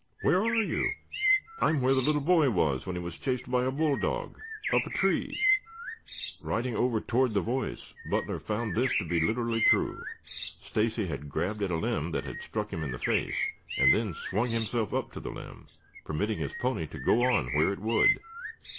"Where are you?" "I'm where the little boy was when he was chased by a bulldog up a tree." Riding over toward the voice, Butler found this to be literally true. Stacy had grabbed at a limb that had struck him in the face, and then swung himself up to the limb, permitting his pony to go on where it would.